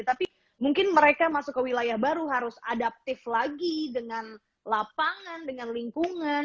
tapi mungkin mereka masuk ke wilayah baru harus adaptif lagi dengan lapangan dengan lingkungan